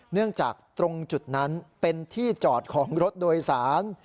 เนื่องจากตรงจุดนั้นเป็นที่จอดของรถโดยสาร